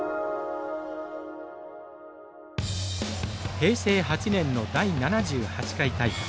平成８年の第７８回大会。